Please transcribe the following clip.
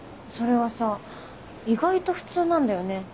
それがさ意外と普通なんだよね。